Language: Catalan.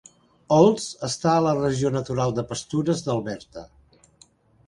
Olds està a la regió natural de pastures d'Alberta.